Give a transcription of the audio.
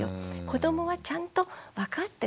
子どもはちゃんと分かってくれてる。